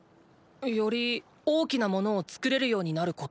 より大きな物を作れるようになること。